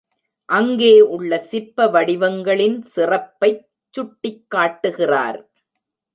அங்கே உள்ள சிற்பவடிவங்களின் சிறப்பைச் சுட்டிக்காட்டுகிறார்.